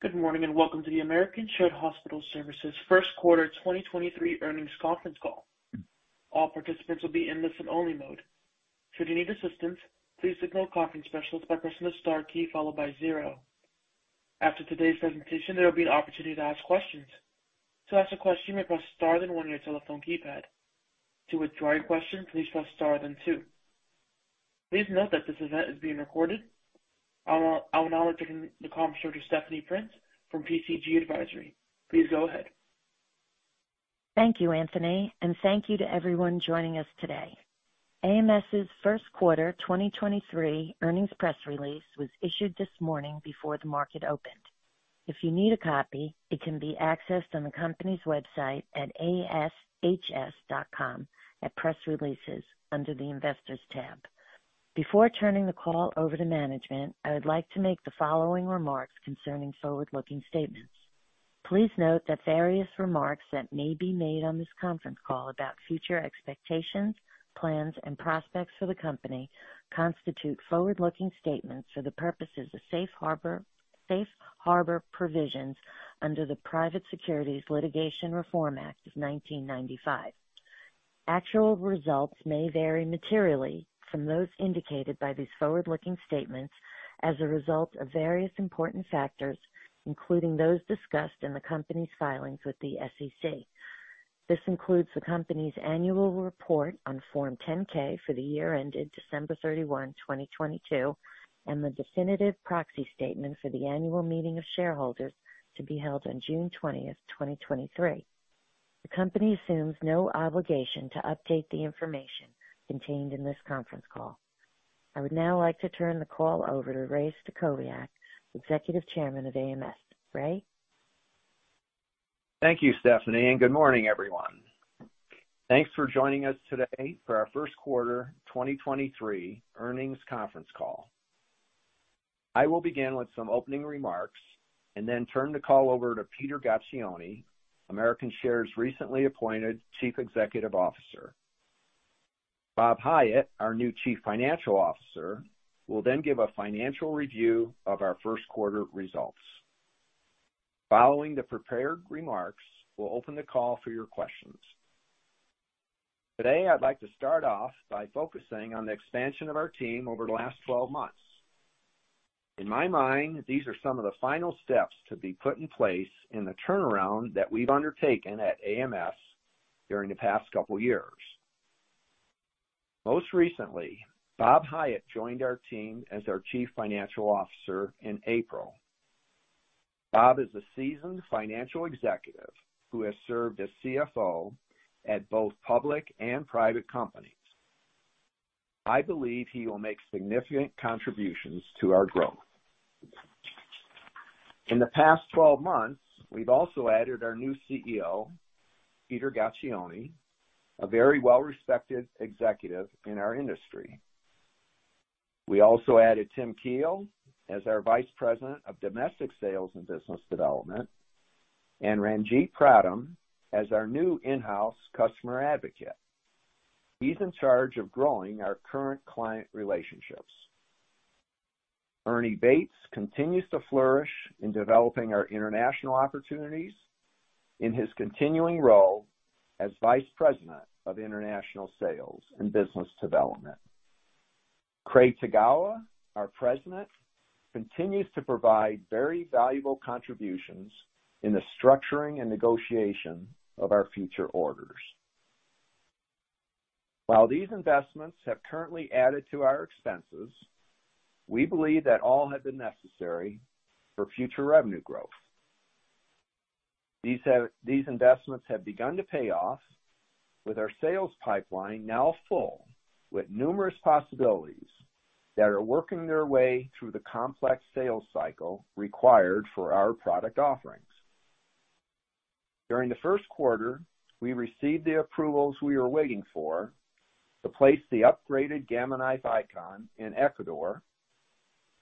Good morning, and welcome to the American Shared Hospital Services first quarter 2023 earnings conference call. All participants will be in listen-only mode. Should you need assistance, please signal a conference specialist by pressing the star key followed by zero. After today's presentation, there will be an opportunity to ask questions. To ask a question, you may press star then one on your telephone keypad. To withdraw your question, please press star then two. Please note that this event is being recorded. I'll now turn the call over to Stephanie Prince from PCG Advisory. Please go ahead. Thank you, Anthony, and thank you to everyone joining us today. AMS's first quarter 2023 earnings press release was issued this morning before the market opened. If you need a copy, it can be accessed on the company's website at ashs.com at Press Releases under the Investors tab. Before turning the call over to management, I would like to make the following remarks concerning forward-looking statements. Please note that various remarks that may be made on this conference call about future expectations, plans, and prospects for the company constitute forward-looking statements for the purposes of Safe Harbor Provisions under the Private Securities Litigation Reform Act of 1995. Actual results may vary materially from those indicated by these forward-looking statements as a result of various important factors, including those discussed in the company's filings with the SEC. This includes the company's annual report on Form 10-K for the year ended December 31, 2022, and the definitive proxy statement for the annual meeting of shareholders to be held on June 20th, 2023. The company assumes no obligation to update the information contained in this conference call. I would now like to turn the call over to Ray Stachowiak, Executive Chairman of AMS. Ray? Thank you, Stephanie. Good morning, everyone. Thanks for joining us today for our first quarter 2023 earnings conference call. I will begin with some opening remarks and then turn the call over to Peter Gaccione, American Shared's recently appointed Chief Executive Officer. Bob Hiatt, our new Chief Financial Officer, will then give a financial review of our first quarter results. Following the prepared remarks, we'll open the call for your questions. Today, I'd like to start off by focusing on the expansion of our team over the last 12 months. In my mind, these are some of the final steps to be put in place in the turnaround that we've undertaken at AMS during the past couple years. Most recently, Bob Hiatt joined our team as our Chief Financial Officer in April. Bob is a seasoned financial executive who has served as CFO at both public and private companies. I believe he will make significant contributions to our growth. In the past 12 months, we've also added our new CEO, Peter Gaccione, a very well-respected executive in our industry. We also added Tim Keel as our Vice President of Domestic Sales and Business Development, and Ranjit Pradhan as our new in-house customer advocate. He's in charge of growing our current client relationships. Ernie Bates continues to flourish in developing our international opportunities in his continuing role as Vice President of International Sales and Business Development. Craig Tagawa, our President, continues to provide very valuable contributions in the structuring and negotiation of our future orders. While these investments have currently added to our expenses, we believe that all have been necessary for future revenue growth. These investments have begun to pay off with our sales pipeline now full with numerous possibilities that are working their way through the complex sales cycle required for our product offerings. During the first quarter, we received the approvals we were waiting for to place the upgraded Gamma Knife Icon in Ecuador,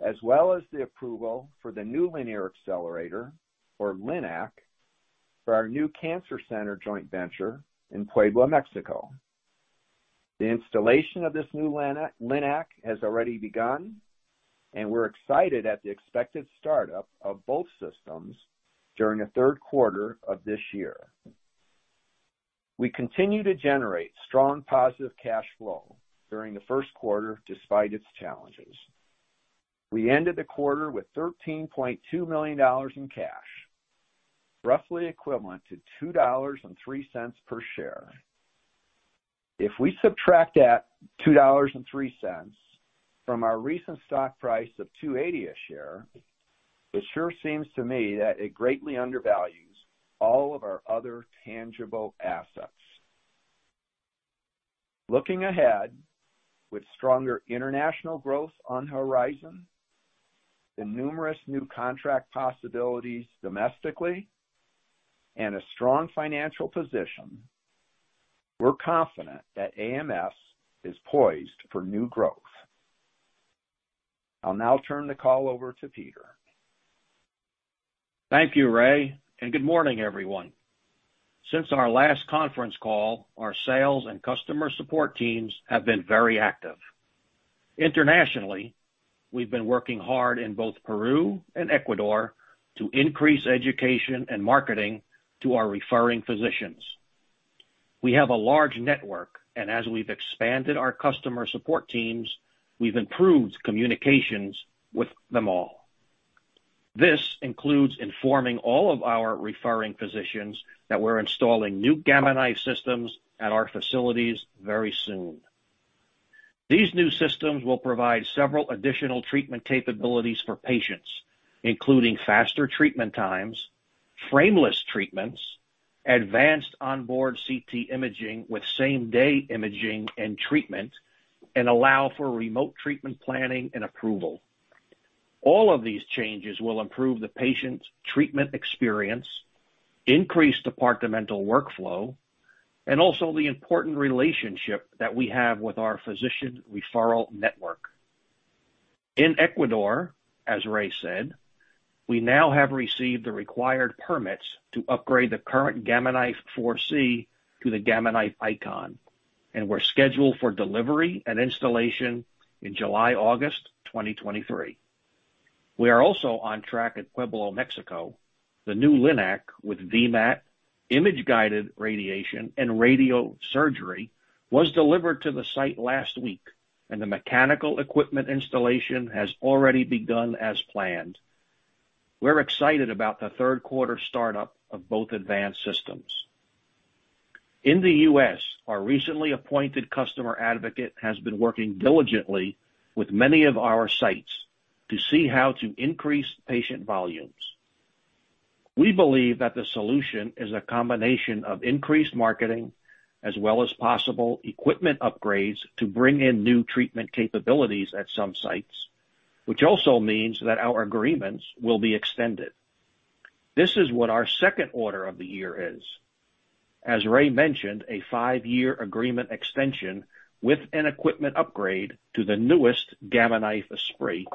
as well as the approval for the new linear accelerator, or LINAC, for our new cancer center joint venture in Puebla, Mexico. The installation of this new LINAC has already begun, and we're excited at the expected startup of both systems during the third quarter of this year. We continue to generate strong positive cash flow during the first quarter, despite its challenges. We ended the quarter with $13.2 million in cash, roughly equivalent to $2.03 per share. If we subtract that $2.03 from our recent stock price of $2.80 a share, it sure seems to me that it greatly undervalues all of our other tangible assets. Looking ahead, with stronger international growth on the horizon, the numerous new contract possibilities domestically, and a strong financial position, we're confident that AMS is poised for new growth. I'll now turn the call over to Peter. Thank you, Ray. Good morning, everyone. Since our last conference call, our sales and customer support teams have been very active. Internationally, we've been working hard in both Peru and Ecuador to increase education and marketing to our referring physicians. We have a large network, and as we've expanded our customer support teams, we've improved communications with them all. This includes informing all of our referring physicians that we're installing new Gamma Knife systems at our facilities very soon. These new systems will provide several additional treatment capabilities for patients, including faster treatment times, frameless treatments, advanced onboard CT imaging with same-day imaging and treatment, and allow for remote treatment planning and approval. All of these changes will improve the patient's treatment experience, increase departmental workflow, and also the important relationship that we have with our physician referral network. In Ecuador, as Ray said, we now have received the required permits to upgrade the current Gamma Knife 4C to the Gamma Knife Icon, and we're scheduled for delivery and installation in July, August 2023. We are also on track at Puebla, Mexico. The new LINAC with VMAT image-guided radiation and radiosurgery was delivered to the site last week and the mechanical equipment installation has already begun as planned. We're excited about the third quarter start-up of both advanced systems. In the U.S., our recently appointed customer advocate has been working diligently with many of our sites to see how to increase patient volumes. We believe that the solution is a combination of increased marketing as well as possible equipment upgrades to bring in new treatment capabilities at some sites, which also means that our agreements will be extended. This is what our second order of the year is. As Ray mentioned, a five-year agreement extension with an equipment upgrade to the newest Gamma Knife Esprit.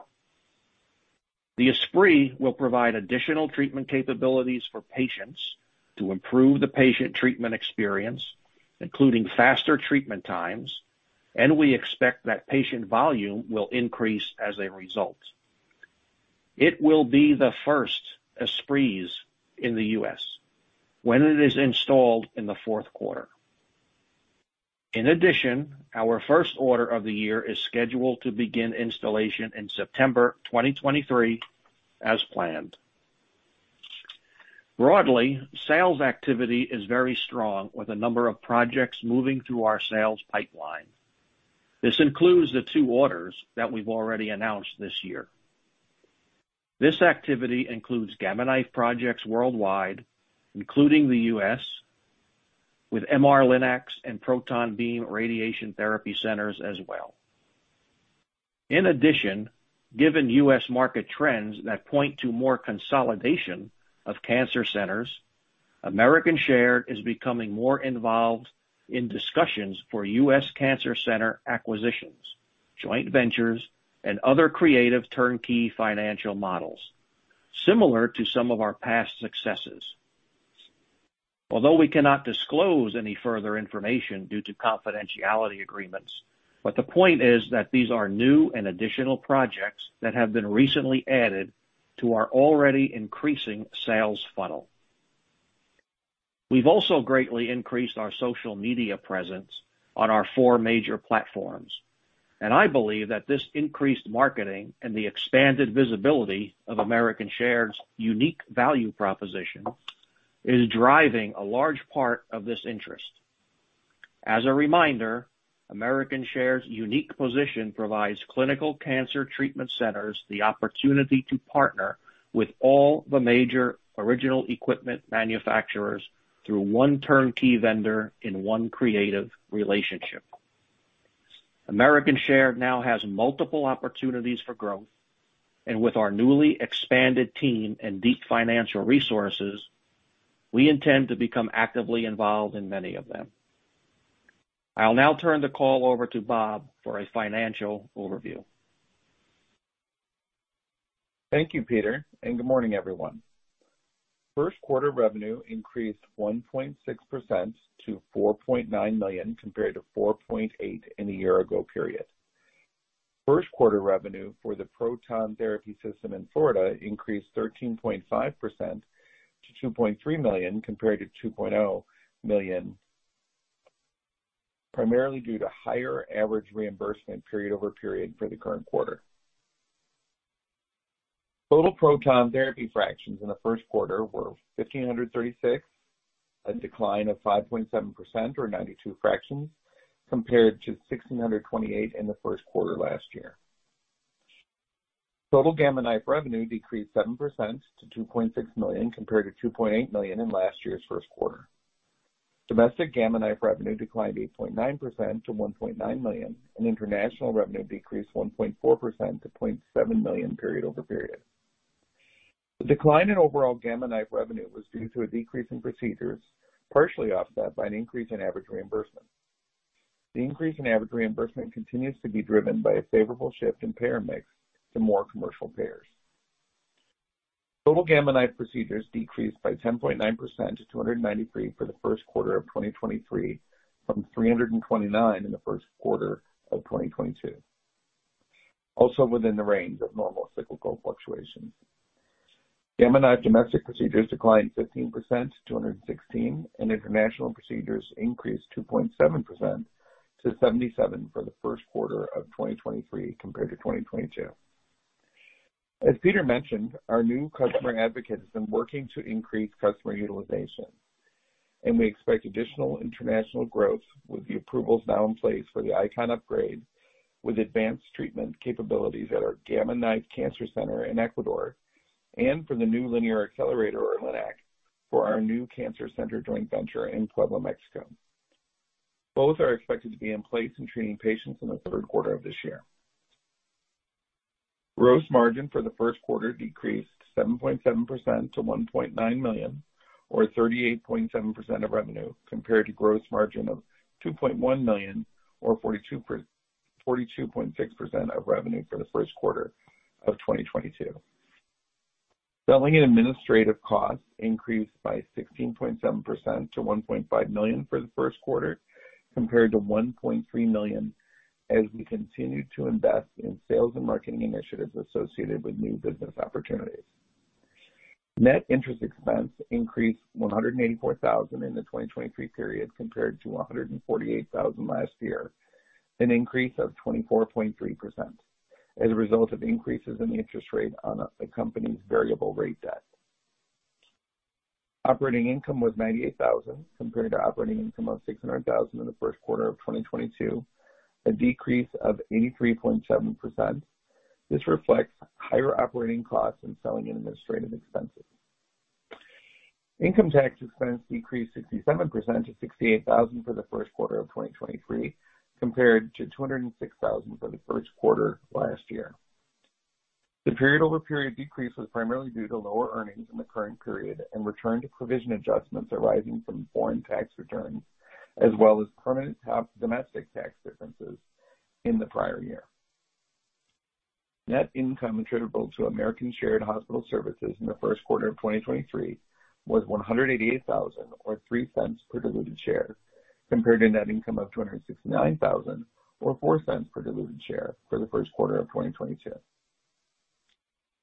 The Esprit will provide additional treatment capabilities for patients to improve the patient treatment experience, including faster treatment times, and we expect that patient volume will increase as a result. It will be the first Esprits in the U.S. when it is installed in the fourth quarter. Our first order of the year is scheduled to begin installation in September 2023 as planned. Broadly, sales activity is very strong with a number of projects moving through our sales pipeline. This includes the two orders that we've already announced this year. This activity includes Gamma Knife projects worldwide, including the U.S., with MR-Linacs and proton beam radiation therapy centers as well. In addition, given U.S. market trends that point to more consolidation of cancer centers, American Shared is becoming more involved in discussions for U.S. cancer center acquisitions, joint ventures, and other creative turnkey financial models, similar to some of our past successes. We cannot disclose any further information due to confidentiality agreements. The point is that these are new and additional projects that have been recently added to our already increasing sales funnel. We've also greatly increased our social media presence on our four major platforms, and I believe that this increased marketing and the expanded visibility of American Shared's unique value proposition is driving a large part of this interest. As a reminder, American Shared's unique position provides clinical cancer treatment centers the opportunity to partner with all the major original equipment manufacturers through one turnkey vendor in one creative relationship. American Shared now has multiple opportunities for growth. With our newly expanded team and deep financial resources, we intend to become actively involved in many of them. I'll now turn the call over to Bob for a financial overview. Thank you, Peter, and good morning, everyone. First quarter revenue increased 1.6% to $4.9 million, compared to $4.8 million in the year ago period. First quarter revenue for the proton therapy system in Florida increased 13.5% to $2.3 million, compared to $2.0 million, primarily due to higher average reimbursement period-over-period for the current quarter. Total proton therapy fractions in the first quarter were 1,536, a decline of 5.7% or 92 fractions compared to 1,628 in the first quarter last year. Total Gamma Knife revenue decreased 7% to $2.6 million, compared to $2.8 million in last year's first quarter. Domestic Gamma Knife revenue declined 8.9% to $1.9 million, and international revenue decreased 1.4% to $0.7 million period-over-period. The decline in overall Gamma Knife revenue was due to a decrease in procedures, partially offset by an increase in average reimbursement. The increase in average reimbursement continues to be driven by a favorable shift in payer mix to more commercial payers. Total Gamma Knife procedures decreased by 10.9% to 293 for the first quarter of 2023, from 329 in the first quarter of 2022, also within the range of normal cyclical fluctuations. Gamma Knife domestic procedures declined 15% to 216, and international procedures increased 2.7% to 77 for the first quarter of 2023 compared to 2022. As Peter mentioned, our new customer advocate has been working to increase customer utilization. We expect additional international growth with the approvals now in place for the Icon upgrade, with advanced treatment capabilities at our Gamma Knife Center Ecuador, and for the new linear accelerator, or LINAC, for our new cancer center joint venture in Puebla, Mexico. Both are expected to be in place and treating patients in the third quarter of this year. Gross margin for the first quarter decreased 7.7% to $1.9 million, or 38.7% of revenue, compared to gross margin of $2.1 million or 42.6% of revenue for the first quarter of 2022. Selling and administrative costs increased by 16.7% to $1.5 million for the first quarter, compared to $1.3 million as we continued to invest in sales and marketing initiatives associated with new business opportunities. Net interest expense increased $184,000 in the 2023 period, compared to $148,000 last year, an increase of 24.3% as a result of increases in the interest rate on a company's variable rate debt. Operating income was $98,000 compared to operating income of $600,000 in the first quarter of 2022, a decrease of 83.7%. This reflects higher operating costs in selling and administrative expenses. Income tax expense decreased 67% to $68,000 for the first quarter of 2023, compared to $206,000 for the first quarter last year. The period-over-period decrease was primarily due to lower earnings in the current period and return to provision adjustments arising from foreign tax returns, as well as permanent domestic tax differences in the prior year. Net income attributable to American Shared Hospital Services in the first quarter of 2023 was $188,000 or $0.03 per diluted share, compared to net income of $269,000 or $0.04 per diluted share for the first quarter of 2022.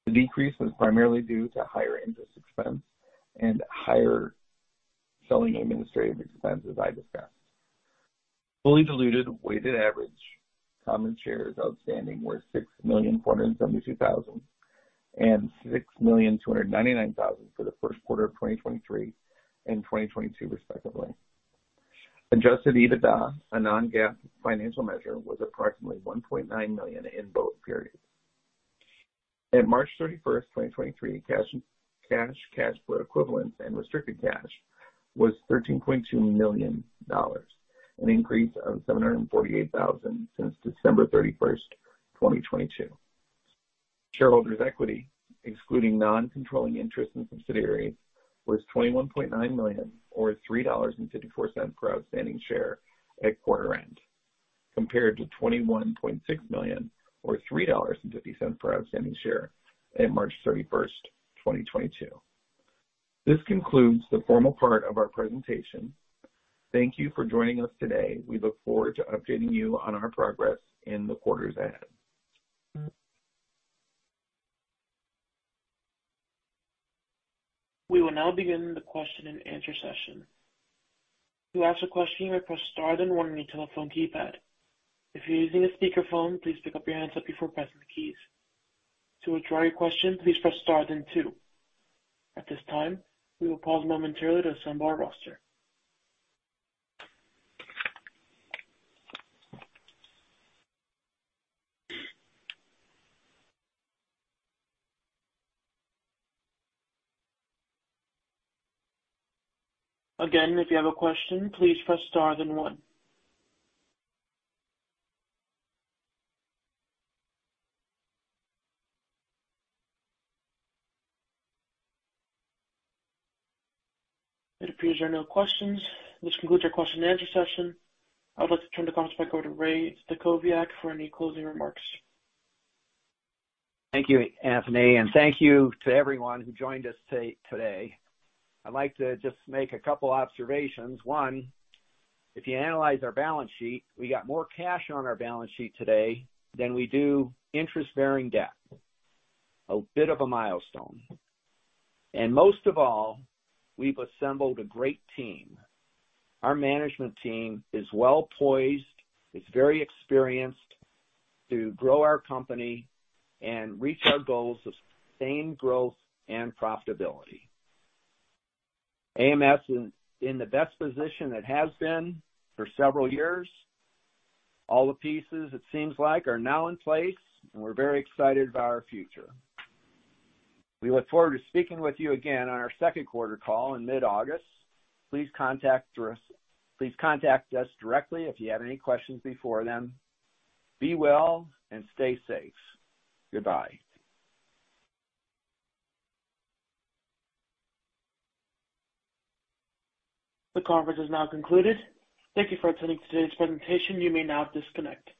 The decrease was primarily due to higher interest expense and higher selling administrative expense, as I discussed. Fully diluted weighted average common shares outstanding were 6,472,000 and 6,299,000 for the first quarter of 2023 and 2022, respectively. Adjusted EBITDA, a non-GAAP financial measure, was approximately $1.9 million in both periods. At March 31, 2023, cash equivalents and restricted cash was $13.2 million, an increase of $748,000 since December 31, 2022. Shareholders equity, excluding non-controlling interest in subsidiaries, was $21.9 million or $3.54 per outstanding share at quarter end, compared to $21.6 million or $3.50 per outstanding share at March 31, 2022. This concludes the formal part of our presentation. Thank you for joining us today. We look forward to updating you on our progress in the quarters ahead. We will now begin the question and answer session. To ask a question, press star then one on your telephone keypad. If you're using a speakerphone, please pick up your handset before pressing the keys. To withdraw your question, please press star then two. At this time, we will pause momentarily to assemble our roster. Again, if you have a question, please press star then one. It appears there are no questions. This concludes our question and answer session. I would like to turn the conference back over to Ray Stachowiak for any closing remarks. Thank you, Anthony, and thank you to everyone who joined us today. I'd like to just make a couple observations. One, if you analyze our balance sheet, we got more cash on our balance sheet today than we do interest-bearing debt. A bit of a milestone. Most of all, we've assembled a great team. Our management team is well poised. It's very experienced to grow our company and reach our goals of sustained growth and profitability. AMS is in the best position it has been for several years. All the pieces, it seems like, are now in place, and we're very excited about our future. We look forward to speaking with you again on our second quarter call in mid-August. Please contact us. Please contact us directly if you have any questions before then. Be well and stay safe. Goodbye. The conference is now concluded. Thank you for attending today's presentation. You may now disconnect.